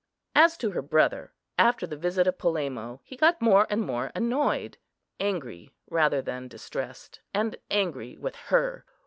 As to her brother, after the visit of Polemo, he got more and more annoyed—angry rather than distressed, and angry with her.